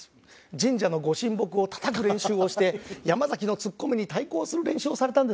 神社の御神木を叩く練習をして山崎のツッコミに対抗する練習をされたんですよね？